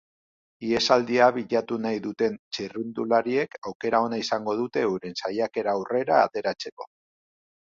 Ihesaldia bilatu nahi duten txirrindulariek aukera ona izango dute euren saiakera aurrera ateratzeko.